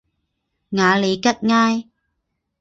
瓦利吉埃。